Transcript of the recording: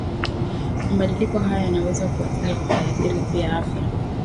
Mabadiliko haya yanaweza kuathiri au hayaathiri pia afya